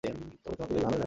তবে তোমাকে বেশ ভালোই লাগছে।